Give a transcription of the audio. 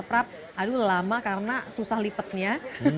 pak prabowo aduh lama karena susah lipatnya